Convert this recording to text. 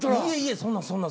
そんなん